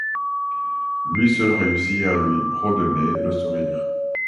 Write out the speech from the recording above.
Lui seul réussit à lui redonner le sourire.